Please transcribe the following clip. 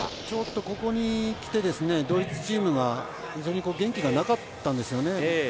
ちょっとここにきてドイツ選手が元気がなかったんですね。